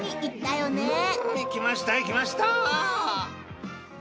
［うん行きました行きました］